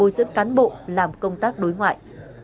giữ cán bộ làm công tác đối ngoại